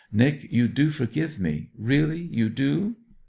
Nic, you do forgive me? Really you do?'